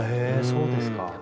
そうですか。